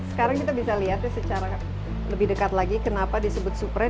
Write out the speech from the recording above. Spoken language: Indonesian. sekarang kita bisa lihatnya secara lebih dekat lagi kenapa disebut super red